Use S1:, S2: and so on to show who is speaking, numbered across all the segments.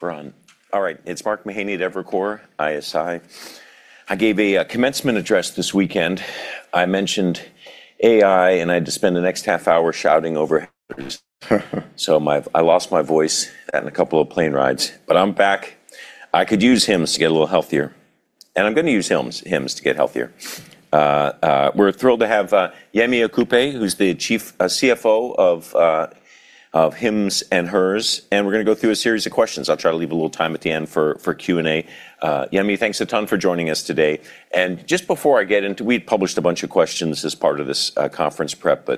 S1: Run. All right, it's Mark Mahaney at Evercore ISI. I gave a commencement address this weekend. I mentioned AI, and I had to spend the next half hour shouting over. I lost my voice and a couple of plane rides, but I'm back. I could use Hims to get a little healthier, and I'm going to use Hims to get healthier. We're thrilled to have Yemi Okupe, who's the Chief CFO of Hims & Hers. We're going to go through a series of questions. I'll try to leave a little time at the end for Q&A. Yemi, thanks a ton for joining us today. Just before I get into-- We had published a bunch of questions as part of this conference prep.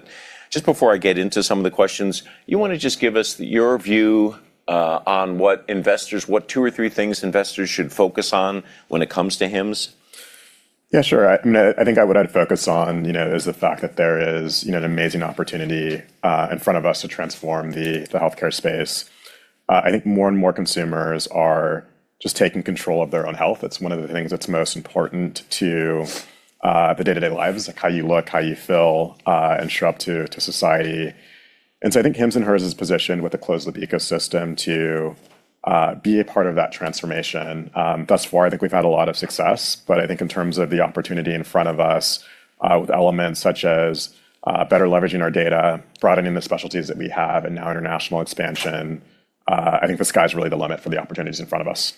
S1: Just before I get into some of the questions, you want to just give us your view on what two or three things investors should focus on when it comes to Hims?
S2: Yeah, sure. I think what I'd focus on is the fact that there is an amazing opportunity in front of us to transform the healthcare space. I think more and more consumers are just taking control of their own health. It's one of the things that's most important to the day-to-day lives, like how you look, how you feel, and show up to society. So I think Hims & Hers is positioned with a closed-loop ecosystem to be a part of that transformation. Thus far, I think we've had a lot of success, but I think in terms of the opportunity in front of us, with elements such as better leveraging our data, broadening the specialties that we have, and now international expansion, I think the sky's really the limit for the opportunities in front of us.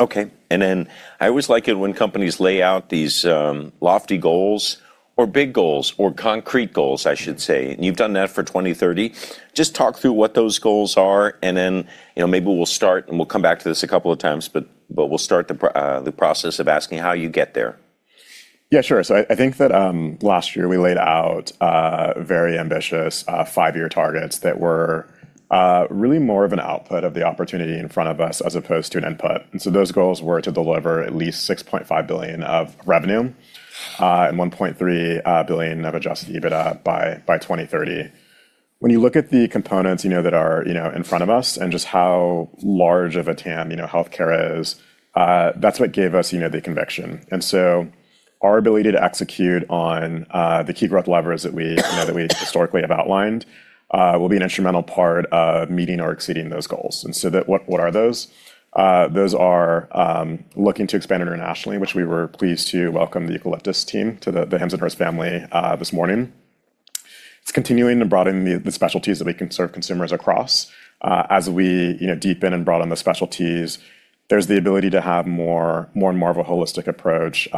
S1: Okay. I always like it when companies lay out these lofty goals or big goals, or concrete goals, I should say. You've done that for 2030. Just talk through what those goals are and then maybe we'll start, and we'll come back to this a couple of times, but we'll start the process of asking how you get there.
S2: Yeah, sure. I think that last year we laid out very ambitious five-year targets that were really more of an output of the opportunity in front of us as opposed to an input. Those goals were to deliver at least $6.5 billion of revenue and $1.3 billion of adjusted EBITDA by 2030. When you look at the components that are in front of us and just how large of a TAM healthcare is, that's what gave us the conviction. Our ability to execute on the key growth levers that we historically have outlined will be an instrumental part of meeting or exceeding those goals. What are those? Those are looking to expand internationally, which we were pleased to welcome the Eucalyptus team to the Hims & Hers family this morning. It's continuing and broadening the specialties that we can serve consumers across. As we deepen and broaden the specialties, there's the ability to have more and more of a holistic approach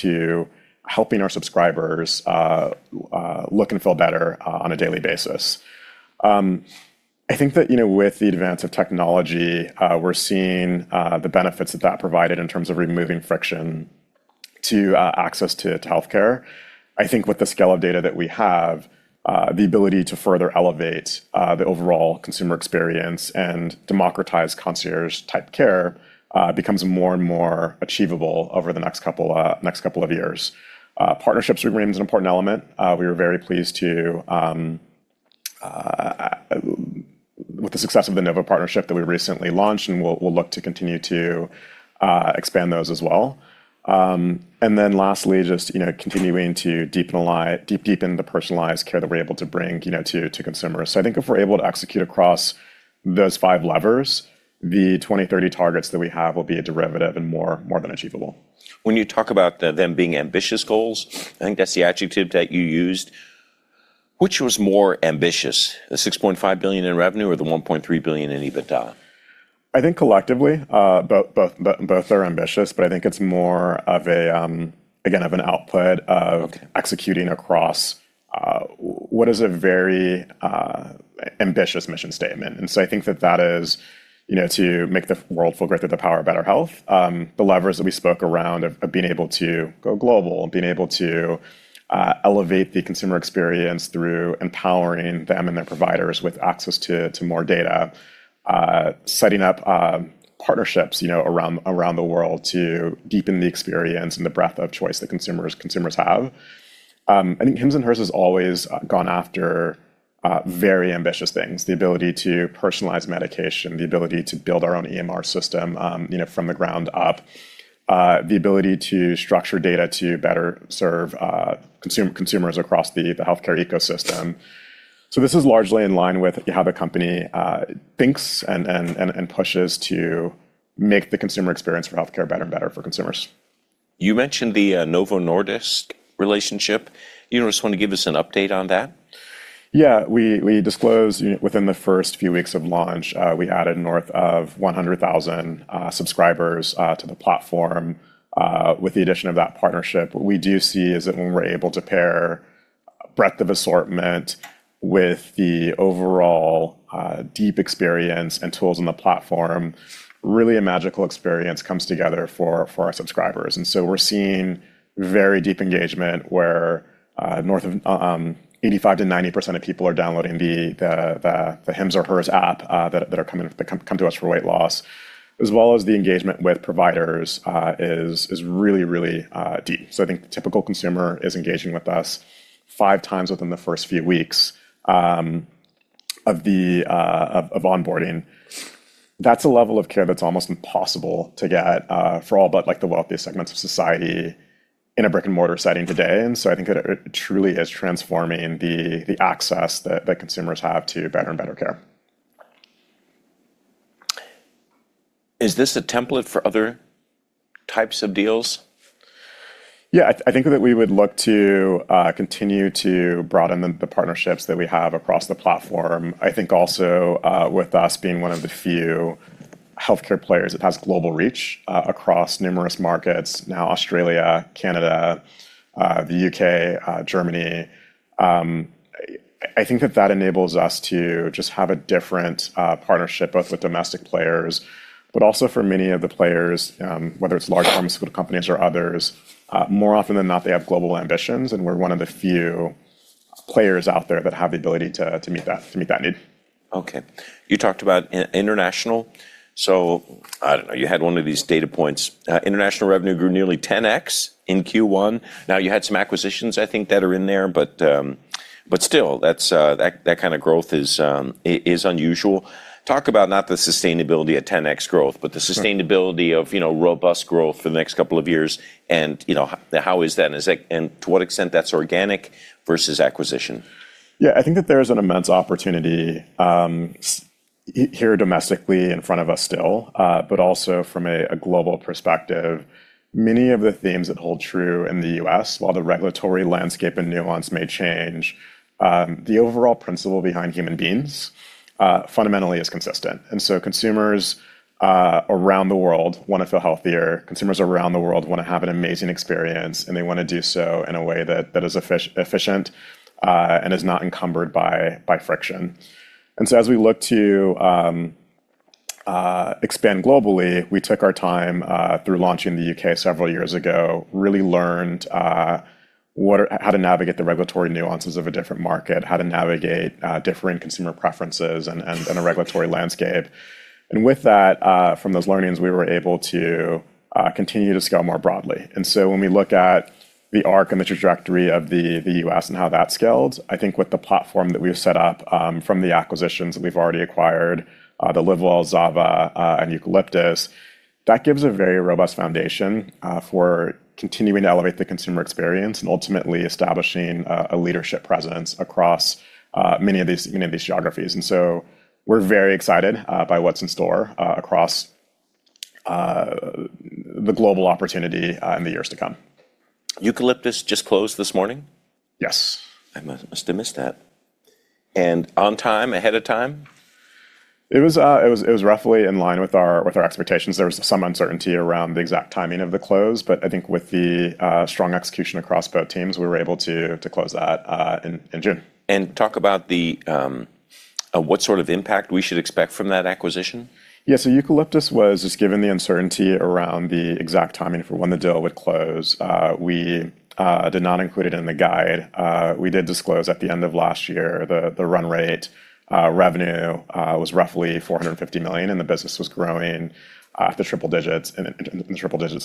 S2: to helping our subscribers look and feel better on a daily basis. I think that with the advance of technology, we're seeing the benefits that that provided in terms of removing friction to access to healthcare. I think with the scale of data that we have, the ability to further elevate the overall consumer experience and democratize concierge-type care becomes more and more achievable over the next couple of years. Partnerships remains an important element. We were very pleased with the success of the Novo partnership that we recently launched and we'll look to continue to expand those as well. Lastly, just continuing to deepen the personalized care that we're able to bring to consumers. I think if we're able to execute across those five levers, the 2030 targets that we have will be a derivative and more than achievable.
S1: When you talk about them being ambitious goals, I think that's the adjective that you used. Which was more ambitious, the $6.5 billion in revenue or the $1.3 billion in EBITDA?
S2: I think collectively, both are ambitious, but I think it's more of an output of executing across what is a very ambitious mission statement. I think that that is to make the world feel greater through the power of better health. The levers that we spoke around of being able to go global, being able to elevate the consumer experience through empowering them and their providers with access to more data, setting up partnerships around the world to deepen the experience and the breadth of choice that consumers have. I think Hims & Hers has always gone after very ambitious things. The ability to personalize medication, the ability to build our own EMR system from the ground up. The ability to structure data to better serve consumers across the healthcare ecosystem. This is largely in line with how the company thinks and pushes to make the consumer experience for healthcare better and better for consumers.
S1: You mentioned the Novo Nordisk relationship. You just want to give us an update on that?
S2: Yeah. We disclosed within the first few weeks of launch, we added north of 100,000 subscribers to the platform with the addition of that partnership. What we do see is that when we're able to pair breadth of assortment with the overall deep experience and tools on the platform, really a magical experience comes together for our subscribers. We're seeing very deep engagement where north of 85%-90% of people are downloading the Hims & Hers app that come to us for weight loss, as well as the engagement with providers is really, really deep. I think the typical consumer is engaging with us five times within the first few weeks of onboarding. That's a level of care that's almost impossible to get for all but the wealthiest segments of society in a brick-and-mortar setting today. I think it truly is transforming the access that consumers have to better and better care.
S1: Is this a template for other types of deals?
S2: Yeah, I think that we would look to continue to broaden the partnerships that we have across the platform. I think also with us being one of the few healthcare players that has global reach across numerous markets now, Australia, Canada, the U.K., Germany, I think that that enables us to just have a different partnership with domestic players. Also for many of the players, whether it's large pharmaceutical companies or others, more often than not, they have global ambitions, and we're one of the few players out there that have the ability to meet that need.
S1: Okay. You talked about international, so I don't know. You had one of these data points. International revenue grew nearly 10X in Q1. Now, you had some acquisitions, I think, that are in there, but still, that kind of growth is unusual. Talk about not the sustainability of 10X growth, but the sustainability of robust growth for the next couple of years and how is that and to what extent that's organic versus acquisition.
S2: Yeah. I think that there's an immense opportunity here domestically in front of us still. Also from a global perspective, many of the themes that hold true in the U.S., while the regulatory landscape and nuance may change, the overall principle behind human beings fundamentally is consistent. Consumers around the world want to feel healthier. Consumers around the world want to have an amazing experience, and they want to do so in a way that is efficient and is not encumbered by friction. As we look to expand globally, we took our time through launching in the U.K. several years ago, really learned how to navigate the regulatory nuances of a different market, how to navigate differing consumer preferences and a regulatory landscape. With that, from those learnings, we were able to continue to scale more broadly. When we look at the arc and the trajectory of the U.S. and how that scaled, I think with the platform that we've set up from the acquisitions that we've already acquired, the Livewell, ZAVA, and Eucalyptus, that gives a very robust foundation for continuing to elevate the consumer experience and ultimately establishing a leadership presence across many of these geographies. We're very excited by what's in store across the global opportunity in the years to come.
S1: Eucalyptus just closed this morning?
S2: Yes.
S1: I must have missed that. On time? Ahead of time?
S2: It was roughly in line with our expectations. There was some uncertainty around the exact timing of the close, but I think with the strong execution across both teams, we were able to close that in June.
S1: Talk about what sort of impact we should expect from that acquisition.
S2: Yeah. Eucalyptus was just given the uncertainty around the exact timing for when the deal would close. We did not include it in the guide. We did disclose at the end of last year the run rate revenue was roughly $450 million, and the business was growing in triple digits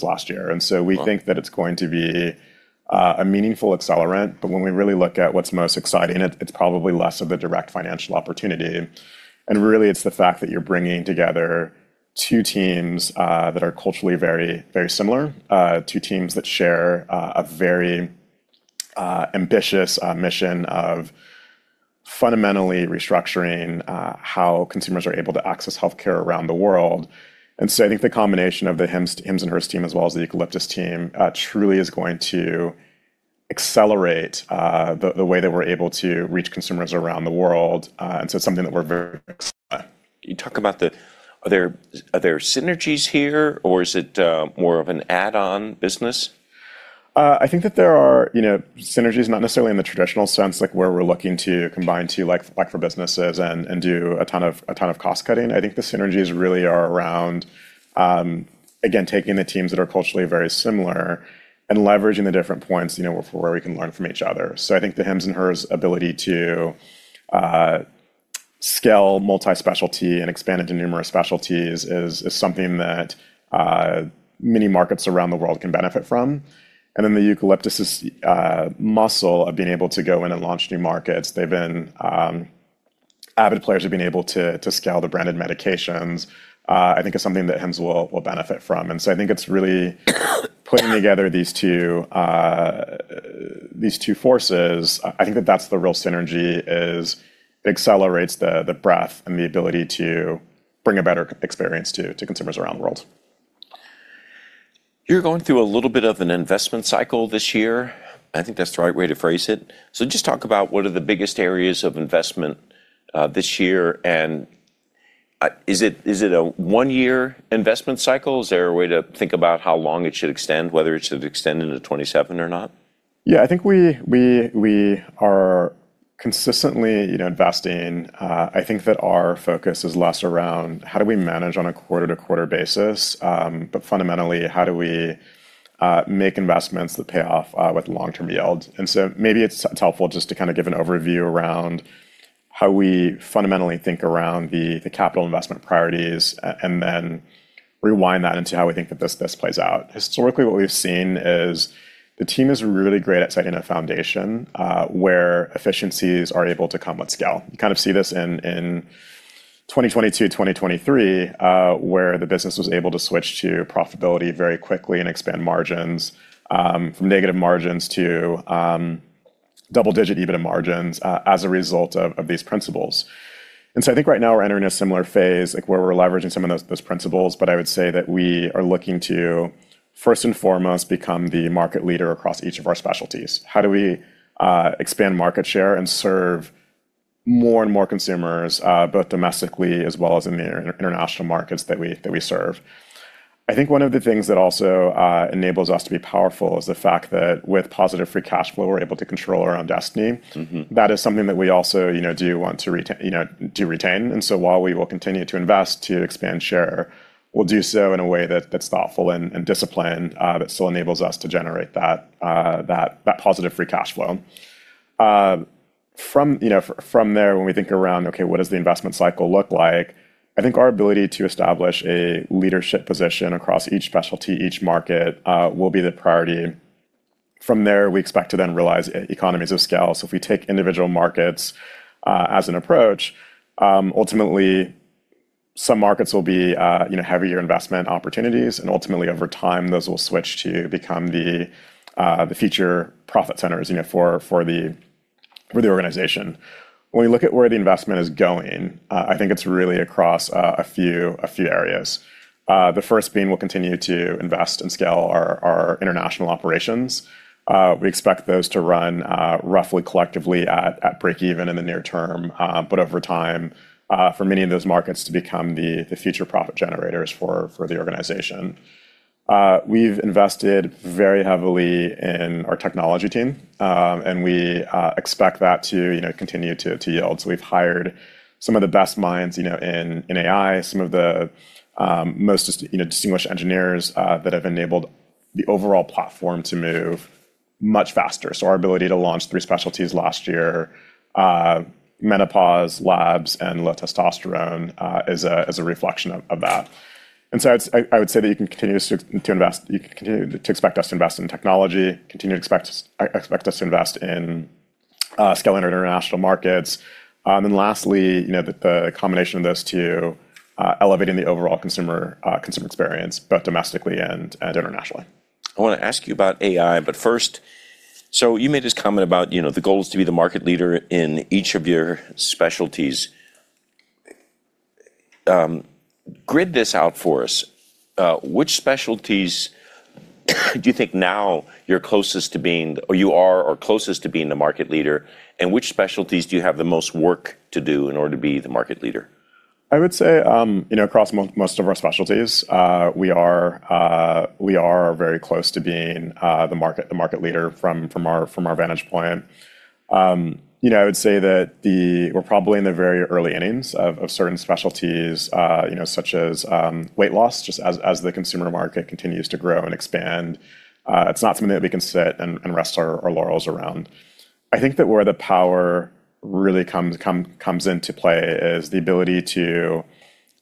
S2: last year. We think that it's going to be a meaningful accelerant. When we really look at what's most exciting, it's probably less of a direct financial opportunity. Really, it's the fact that you're bringing together two teams that are culturally very similar, two teams that share a very ambitious mission of fundamentally restructuring how consumers are able to access healthcare around the world. I think the combination of the Hims & Hers team, as well as the Eucalyptus team, truly is going to accelerate the way that we're able to reach consumers around the world. It's something that we're very excited about.
S1: Are there synergies here, or is it more of an add-on business?
S2: I think that there are synergies, not necessarily in the traditional sense, like where we're looking to combine two like-for-businesses and do a ton of cost-cutting. I think the synergies really are around, again, taking the teams that are culturally very similar and leveraging the different points, for where we can learn from each other. I think the Hims & Hers ability to scale multi-specialty and expand into numerous specialties is something that many markets around the world can benefit from. The Eucalyptus's muscle of being able to go in and launch new markets, Avid players have been able to scale the branded medications, I think is something that Hims will benefit from. I think it's really putting together these two forces. I think that that's the real synergy is it accelerates the breadth and the ability to bring a better experience to consumers around the world.
S1: You're going through a little bit of an investment cycle this year. I think that's the right way to phrase it. Just talk about what are the biggest areas of investment this year, Is it a one-year investment cycle? Is there a way to think about how long it should extend, whether it should extend into 2027 or not?
S2: Yeah, I think we are consistently investing. I think that our focus is less around how do we manage on a quarter-to-quarter basis, but fundamentally, how do we make investments that pay off with long-term yield. Maybe it's helpful just to kind of give an overview around how we fundamentally think around the capital investment priorities and then rewind that into how we think that this plays out. Historically, what we've seen is the team is really great at setting a foundation where efficiencies are able to come with scale. You kind of see this in 2022, 2023, where the business was able to switch to profitability very quickly and expand margins, from negative margins to double-digit EBITDA margins as a result of these principles. I think right now we're entering a similar phase, where we're leveraging some of those principles. I would say that we are looking to first and foremost become the market leader across each of our specialties. How do we expand market share and serve more and more consumers, both domestically as well as in the international markets that we serve? I think one of the things that also enables us to be powerful is the fact that with positive free cash flow, we're able to control our own destiny. That is something that we also do want to retain. While we will continue to invest to expand share, we'll do so in a way that's thoughtful and disciplined, that still enables us to generate that positive free cash flow. When we think around, okay, what does the investment cycle look like? I think our ability to establish a leadership position across each specialty, each market, will be the priority. We expect to then realize economies of scale. If we take individual markets as an approach, ultimately some markets will be heavier investment opportunities, and ultimately over time, those will switch to become the future profit centers for the organization. When we look at where the investment is going, I think it's really across a few areas. The first being we'll continue to invest and scale our international operations. We expect those to run roughly collectively at break even in the near term. Over time, for many of those markets to become the future profit generators for the organization. We've invested very heavily in our technology team. We expect that to continue to yield. We've hired some of the best minds in AI, some of the most distinguished engineers that have enabled the overall platform to move much faster. Our ability to launch three specialties last year, menopause, labs, and low testosterone, is a reflection of that. I would say that you can continue to expect us to invest in technology, continue to expect us to invest in scaling international markets. Lastly, the combination of those two, elevating the overall consumer experience, both domestically and internationally.
S1: I want to ask you about AI, but first, so you made this comment about the goal is to be the market leader in each of your specialties. Grid this out for us. Which specialties do you think now you're closest to being, or you are or closest to being the market leader, and which specialties do you have the most work to do in order to be the market leader?
S2: I would say across most of our specialties, we are very close to being the market leader from our vantage point. I would say that we're probably in the very early innings of certain specialties such as Weight Loss, just as the consumer market continues to grow and expand. It's not something that we can sit and rest our laurels around. I think that where the power really comes into play is the ability to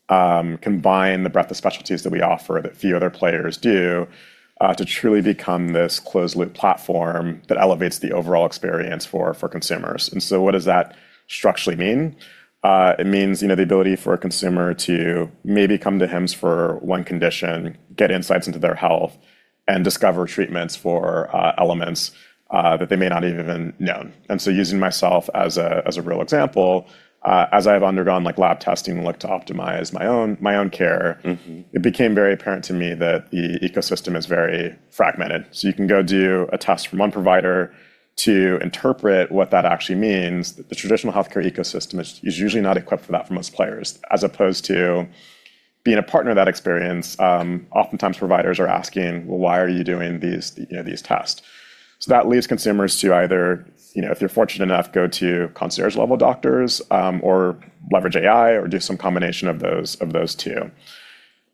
S2: combine the breadth of specialties that we offer that few other players do to truly become this closed loop platform that elevates the overall experience for consumers. What does that structurally mean? It means the ability for a consumer to maybe come to Hims for one condition, get insights into their health, and discover treatments for elements that they may not even have known. Using myself as a real example, as I've undergone lab testing and looked to optimize my own care. it became very apparent to me that the ecosystem is very fragmented. You can go do a test from one provider to interpret what that actually means. The traditional healthcare ecosystem is usually not equipped for that for most players. As opposed to being a partner in that experience, oftentimes providers are asking, "Well, why are you doing these tests?" That leaves consumers to either, if you're fortunate enough, go to concierge level doctors or leverage AI, or do some combination of those two.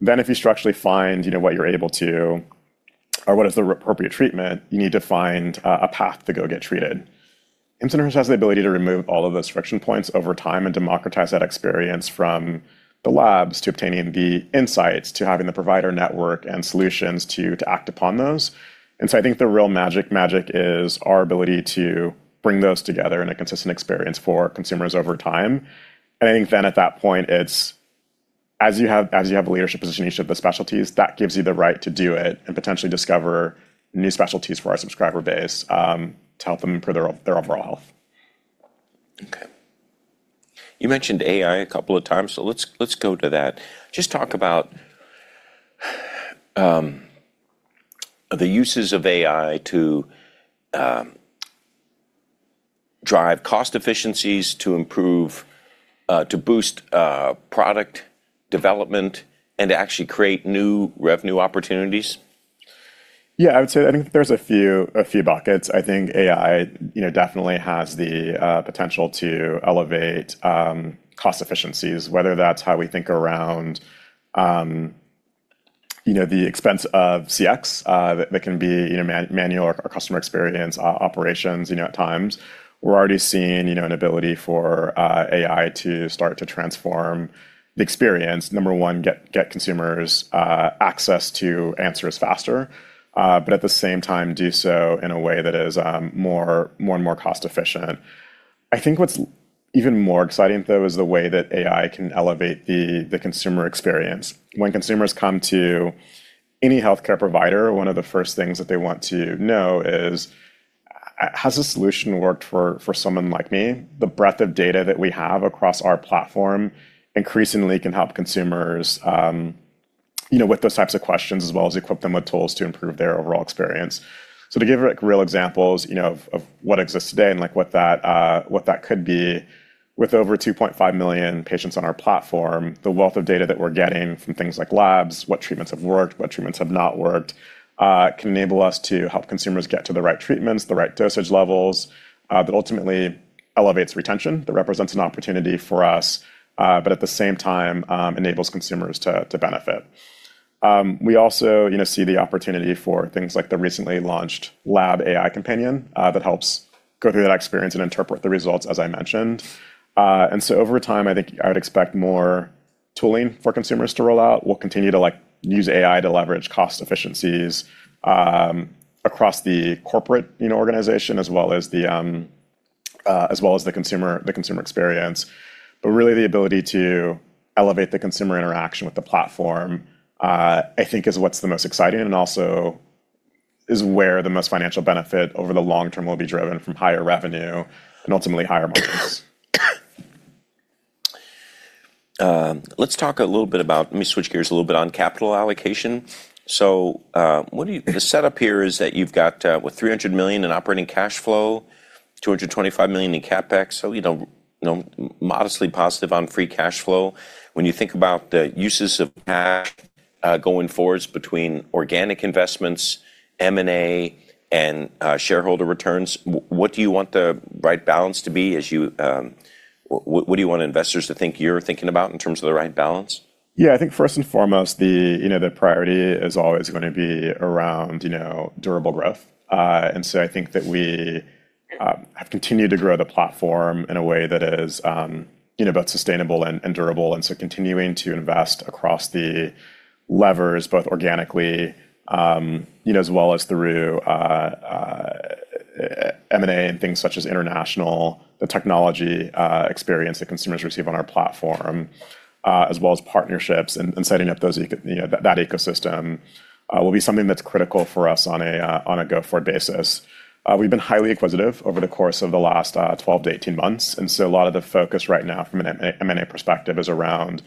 S2: If you structurally find what you're able to or what is the appropriate treatment, you need to find a path to go get treated. Hims & Hers has the ability to remove all of those friction points over time and democratize that experience from the Labs to obtaining the insights, to having the provider network and solutions to act upon those. I think the real magic is our ability to bring those together in a consistent experience for consumers over time. I think then at that point, as you have a leadership position in each of the specialties, that gives you the right to do it and potentially discover new specialties for our subscriber base, to help them improve their overall health.
S1: Okay. You mentioned AI a couple of times, let's go to that. Just talk about the uses of AI to drive cost efficiencies, to improve, to boost product development, and to actually create new revenue opportunities.
S2: I would say, I think there's a few buckets. I think AI definitely has the potential to elevate cost efficiencies, whether that's how we think around the expense of CX, that can be manual or customer experience operations at times. We're already seeing an ability for AI to start to transform the experience. Number one, get consumers access to answers faster, at the same time, do so in a way that is more and more cost-efficient. I think what's even more exciting, though, is the way that AI can elevate the consumer experience. When consumers come to any healthcare provider, one of the first things that they want to know is, has this solution worked for someone like me? The breadth of data that we have across our platform increasingly can help consumers with those types of questions as well as equip them with tools to improve their overall experience. To give real examples of what exists today and what that could be, with over 2.5 million patients on our platform, the wealth of data that we're getting from things like Labs, what treatments have worked, what treatments have not worked, can enable us to help consumers get to the right treatments, the right dosage levels, that ultimately elevates retention. That represents an opportunity for us, but at the same time enables consumers to benefit. We also see the opportunity for things like the recently launched Labs AI companion that helps go through that experience and interpret the results, as I mentioned. Over time, I think I would expect more tooling for consumers to roll out. We'll continue to use AI to leverage cost efficiencies across the corporate organization as well as the consumer experience. Really the ability to elevate the consumer interaction with the platform, I think is what's the most exciting and also is where the most financial benefit over the long term will be driven from higher revenue and ultimately higher margins.
S1: Let me switch gears a little bit on capital allocation. The setup here is that you've got, what, $300 million in operating cash flow, $225 million in CapEx, so modestly positive on free cash flow. When you think about the uses of cash going forwards between organic investments, M&A, and shareholder returns, what do you want the right balance to be? What do you want investors to think you're thinking about in terms of the right balance?
S2: Yeah, I think first and foremost, the priority is always going to be around durable growth. I think that we have continued to grow the platform in a way that is both sustainable and durable, and so continuing to invest across the levers, both organically as well as through M&A and things such as international, the technology experience that consumers receive on our platform, as well as partnerships and setting up that ecosystem will be something that's critical for us on a go-forward basis. We've been highly acquisitive over the course of the last 12-18 months, and so a lot of the focus right now from an M&A perspective is around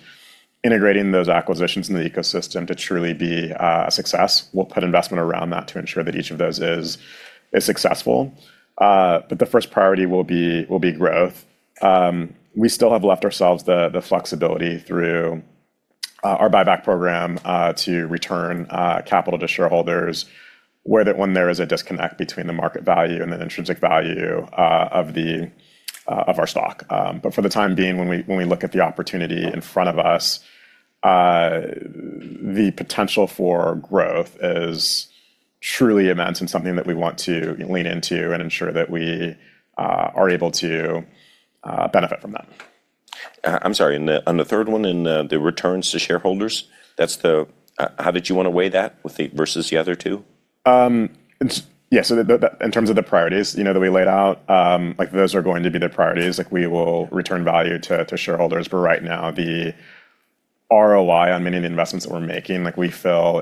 S2: integrating those acquisitions in the ecosystem to truly be a success. We'll put investment around that to ensure that each of those is successful. The first priority will be growth. We still have left ourselves the flexibility through our buyback program to return capital to shareholders when there is a disconnect between the market value and the intrinsic value of our stock. For the time being, when we look at the opportunity in front of us, the potential for growth is truly immense and something that we want to lean into and ensure that we are able to benefit from that.
S1: I'm sorry, on the third one, in the returns to shareholders, how did you want to weigh that versus the other two?
S2: Yeah. In terms of the priorities that we laid out, those are going to be the priorities. We will return value to shareholders. Right now, the ROI on many of the investments that we're making, we feel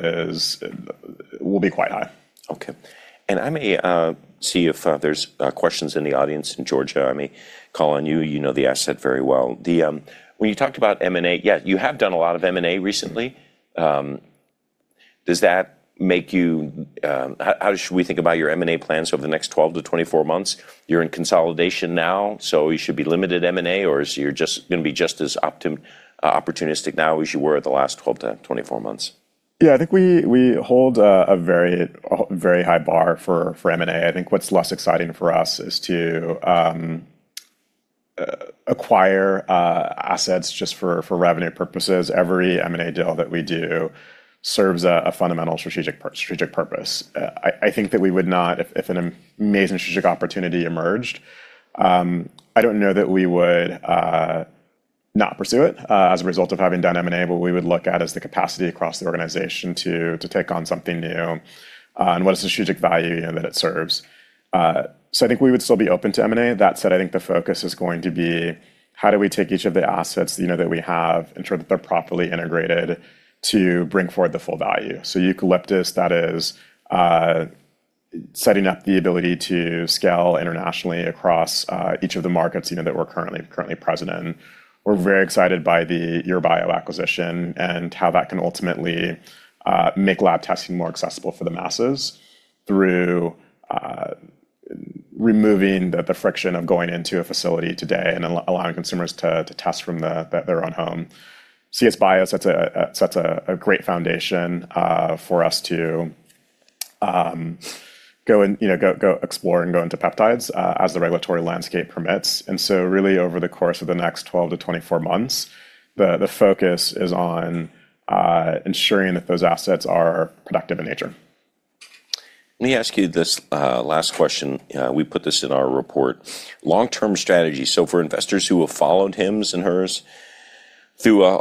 S2: will be quite high.
S1: Okay. I may see if there's questions in the audience. Georgia, I may call on you. You know the asset very well. When you talked about M&A, yeah, you have done a lot of M&A recently. How should we think about your M&A plans over the next 12-24 months? You're in consolidation now, so you should be limited M&A, or you're just going to be just as opportunistic now as you were the last 12-24 months?
S2: Yeah, I think we hold a very high bar for M&A. I think what's less exciting for us is to acquire assets just for revenue purposes. Every M&A deal that we do serves a fundamental strategic purpose. I think that if an amazing strategic opportunity emerged, I don't know that we would not pursue it as a result of having done M&A, but we would look at is the capacity across the organization to take on something new and what is the strategic value that it serves. I think we would still be open to M&A. That said, I think the focus is going to be how do we take each of the assets that we have, ensure that they're properly integrated to bring forward the full value. Eucalyptus, that is setting up the ability to scale internationally across each of the markets that we're currently present in. We're very excited by the Eurobio acquisition and how that can ultimately make lab testing more accessible for the masses through removing the friction of going into a facility today and allowing consumers to test from their own home. CS Bio sets a great foundation for us to go explore and go into peptides as the regulatory landscape permits. Really over the course of the next 12 to 24 months, the focus is on ensuring that those assets are productive in nature.
S1: Let me ask you this last question. We put this in our report. Long-term strategy, for investors who have followed Hims & Hers through a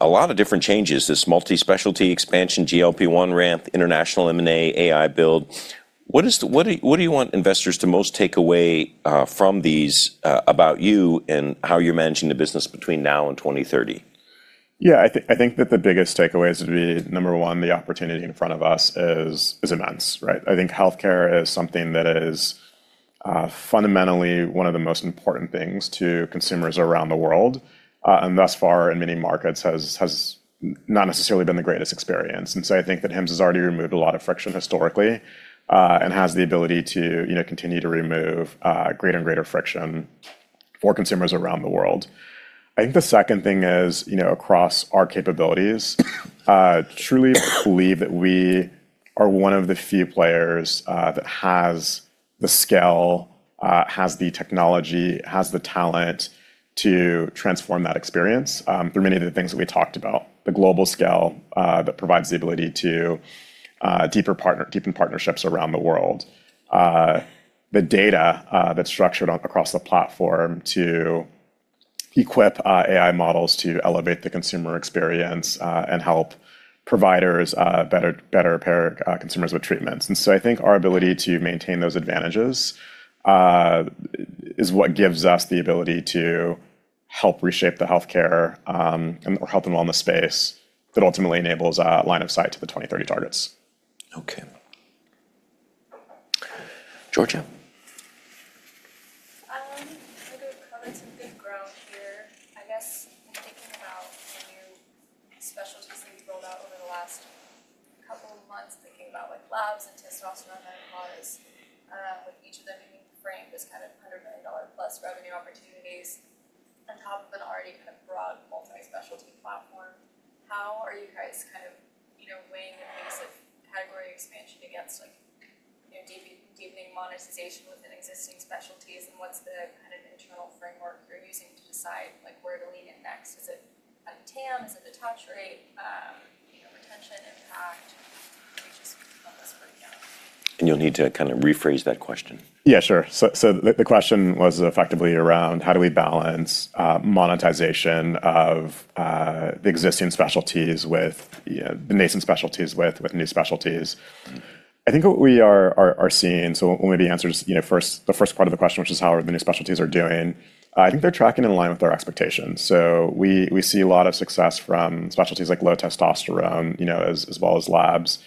S1: lot of different changes, this multi-specialty expansion, GLP-1 ramp, international M&A, AI build. What do you want investors to most take away from these about you and how you're managing the business between now and 2030?
S2: I think that the biggest takeaway is to be, number one, the opportunity in front of us is immense, right? I think healthcare is something that is fundamentally one of the most important things to consumers around the world. Thus far, in many markets, has not necessarily been the greatest experience. I think that Hims has already removed a lot of friction historically, and has the ability to continue to remove greater and greater friction for consumers around the world. I think the second thing is, across our capabilities, I truly believe that we are one of the few players that has the scale, has the technology, has the talent to transform that experience through many of the things that we talked about. The global scale that provides the ability to deepen partnerships around the world. The data that's structured across the platform to equip AI models to elevate the consumer experience, and help providers better pair consumers with treatments. I think our ability to maintain those advantages is what gives us the ability to help reshape the healthcare, or health and wellness space that ultimately enables a line of sight to the 2030 targets.
S1: Okay. Georgia.
S3: I wanted to cover some big ground here. I guess, in thinking about the new specialties that you've built out over the last couple of months, thinking about Labs and testosterone and hair loss, with each of them being framed as kind of $100 million+ revenue opportunities on top of an already kind of broad multi-specialty platform. How are you guys kind of weighing the things like category expansion against deepening monetization within existing specialties, and what's the kind of internal framework you're using to decide where to lean in next? Is it TAM? Is it the touch rate, retention impact? Can you just help us break it down?
S1: You'll need to kind of rephrase that question.
S2: Yeah, sure. The question was effectively around how do we balance monetization of the existing specialties with the nascent specialties, with new specialties. I think what we are seeing, so maybe answer the first part of the question, which is how our new specialties are doing. I think they're tracking in line with our expectations. We see a lot of success from specialties like low testosterone, as well as Labs.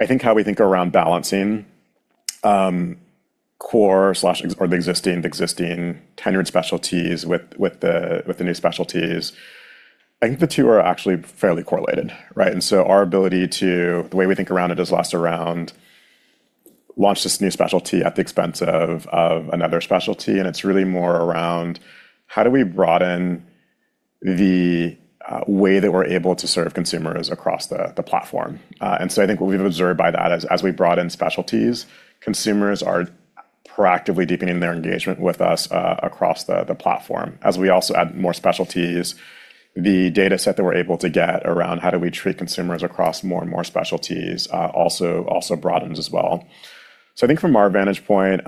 S2: I think how we think around balancing core/the existing tenured specialties with the new specialties, I think the two are actually fairly correlated, right? Our ability The way we think around it is less around launch this new specialty at the expense of another specialty, and it's really more around how do we broaden the way that we're able to serve consumers across the platform. I think what we've observed by that, as we broaden specialties, consumers are proactively deepening their engagement with us across the platform. As we also add more specialties, the data set that we're able to get around how do we treat consumers across more and more specialties also broadens as well. I think from our vantage point,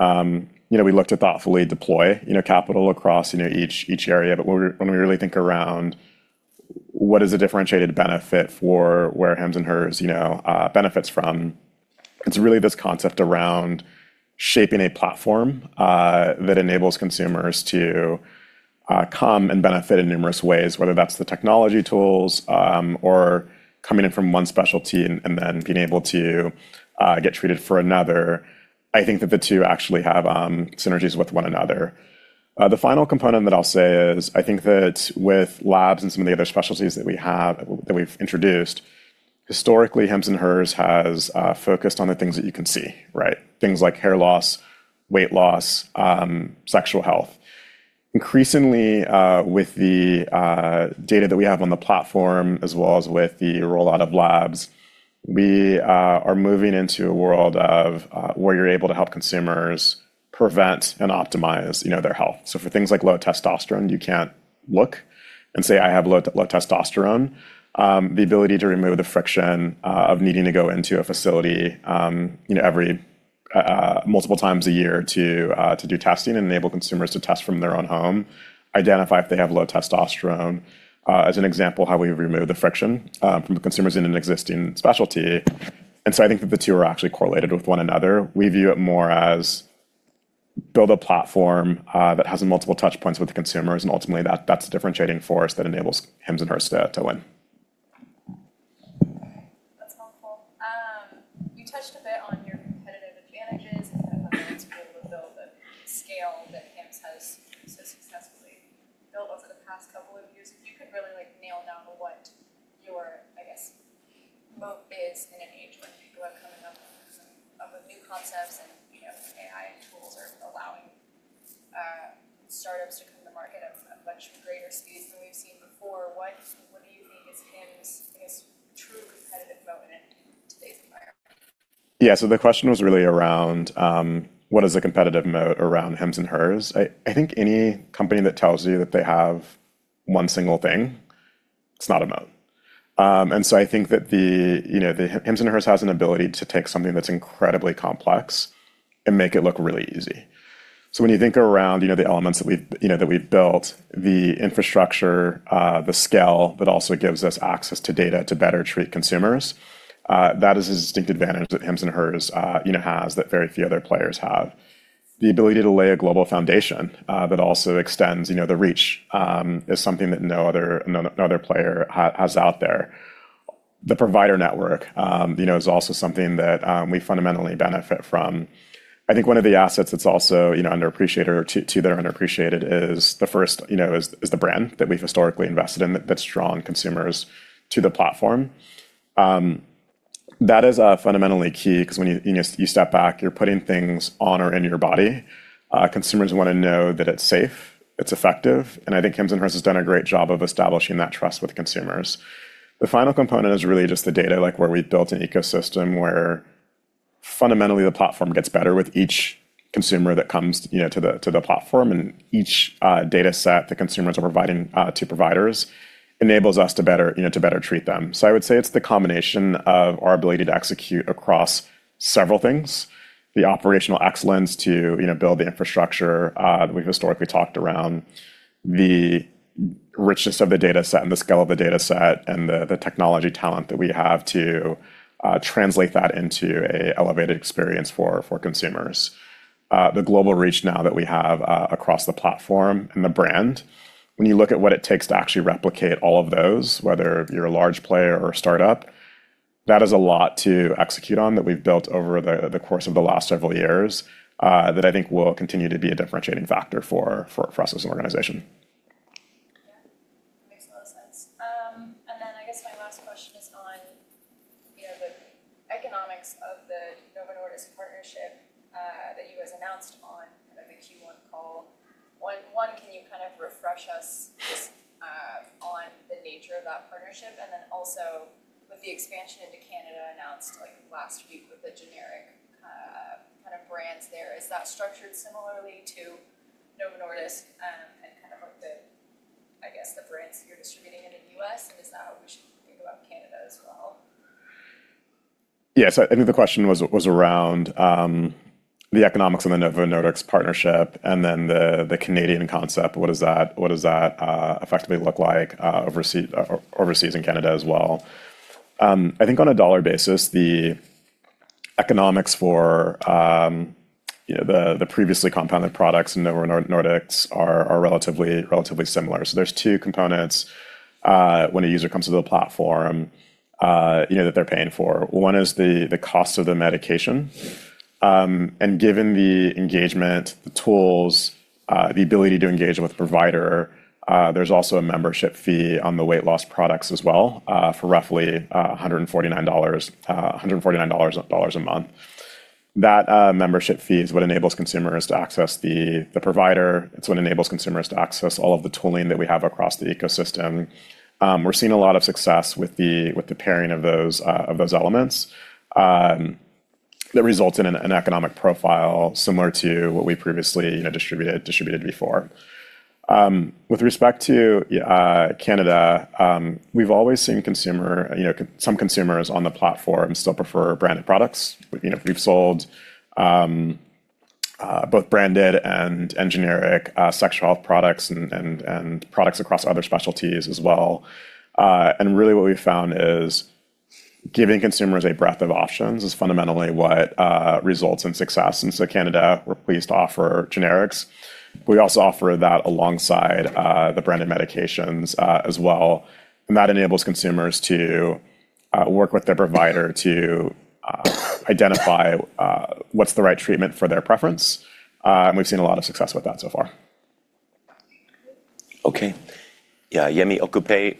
S2: we look to thoughtfully deploy capital across each area. When we really think around what is a differentiated benefit for where Hims & Hers benefits from, it's really this concept around shaping a platform that enables consumers to come and benefit in numerous ways, whether that's the technology tools or coming in from one specialty and then being able to get treated for another. I think that the two actually have synergies with one another. The final component that I'll say is I think that with Labs and some of the other specialties that we've introduced, historically, Hims & Hers has focused on the things that you can see, right? Things like hair loss, Weight Loss, sexual health. Increasingly, with the data that we have on the platform, as well as with the rollout of Labs, we are moving into a world of where you're able to help consumers prevent and optimize their health. For things like low testosterone, you can't look and say, "I have low testosterone." The ability to remove the friction of needing to go into a facility multiple times a year to do testing and enable consumers to test from their own home, identify if they have low testosterone. As an example, how we remove the friction from the consumers in an existing specialty. I think that the two are actually correlated with one another. We view it more as build a platform that has multiple touch points with the consumers, and ultimately that's a differentiating force that enables Hims & Hers to win.
S3: Okay. That's helpful. You touched a bit on your competitive advantages and the ability to be able to build the scale that Hims has so successfully built over the past couple of years. If you could really nail down what your, I guess, moat is in an age where people are coming up with new concepts and AI tools are allowing startups to come to the market at a much greater speed than we've seen before. What do you think is Hims' biggest true competitive moat in today's environment?
S2: Yeah. The question was really around, what is the competitive moat around Hims & Hers. I think any company that tells you that they have one single thing, it's not a moat. I think that Hims & Hers has an ability to take something that's incredibly complex and make it look really easy. When you think around the elements that we've built, the infrastructure, the scale that also gives us access to data to better treat consumers, that is a distinct advantage that Hims & Hers has that very few other players have. The ability to lay a global foundation that also extends the reach is something that no other player has out there. The provider network is also something that we fundamentally benefit from. I think one of the assets that are underappreciated is the first, is the brand that we've historically invested in that draws consumers to the platform. That is fundamentally key because when you step back, you're putting things on or in your body. Consumers want to know that it's safe, it's effective, and I think Hims & Hers has done a great job of establishing that trust with consumers. The final component is really just the data, where we've built an ecosystem where fundamentally the platform gets better with each consumer that comes to the platform, and each dataset that consumers are providing to providers enables us to better treat them. I would say it's the combination of our ability to execute across several things. The operational excellence to build the infrastructure that we've historically talked around, the richness of the dataset and the scale of the dataset and the technology talent that we have to translate that into an elevated experience for consumers. The global reach now that we have across the platform and the brand. When you look at what it takes to actually replicate all of those, whether you're a large player or a startup, that is a lot to execute on that we've built over the course of the last several years that I think will continue to be a differentiating factor for us as an organization.
S3: Yeah. That makes a lot of sense. I guess my last question is on the economics of the Novo Nordisk partnership that you guys announced on the Q1 call. One, can you kind of refresh us on the nature of that partnership? With the expansion into Canada announced last week with the generic kind of brands there, is that structured similarly to Novo Nordisk, and kind of like the brands you're distributing in the U.S., and is that how we should think about Canada as well?
S2: I think the question was around the economics and the Novo Nordisk partnership, and then the Canadian concept. What does that effectively look like overseas in Canada as well? I think on a dollar basis, the economics for the previously compounded products in Novo Nordisk are relatively similar. There's two components when a user comes to the platform that they're paying for. One is the cost of the medication. Given the engagement tools, the ability to engage with the provider, there's also a membership fee on the Weight Loss products as well, for roughly $149 a month. That membership fee is what enables consumers to access the provider. It's what enables consumers to access all of the tooling that we have across the ecosystem. We're seeing a lot of success with the pairing of those elements that results in an economic profile similar to what we previously distributed before. With respect to Canada, we've always seen some consumers on the platform still prefer branded products. We've sold both branded and generic sexual health products and products across other specialties as well. Really what we've found is giving consumers a breadth of options is fundamentally what results in success. Canada, we're pleased to offer generics. We also offer that alongside the branded medications as well, and that enables consumers to work with their provider to identify what's the right treatment for their preference, and we've seen a lot of success with that so far.
S1: Okay. Yemi Okupe,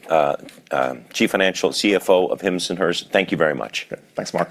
S1: Chief Financial CFO of Hims & Hers. Thank you very much.
S2: Yeah. Thanks, Mark